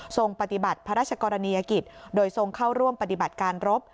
ปฏิบัติพระราชกรณียกิจโดยทรงเข้าร่วมปฏิบัติการรบ